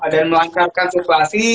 dan melangkarkan sirkulasi